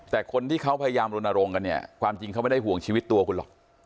แต่คนที่เขาพยายามรณรงค์กันเนี่ยความจริงเขาไม่ได้ห่วงชีวิตตัวคุณหรอก